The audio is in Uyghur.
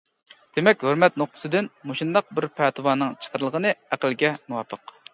دېمەك، ھۆرمەت نۇقتىسىدىن مۇشۇنداق بىر پەتىۋانىڭ چىقىرىلغىنى ئەقىلگە مۇۋاپىق.